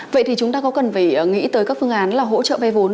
vậy thì chúng ta có cần phải nghĩ tới các phương án là hỗ trợ vay vốn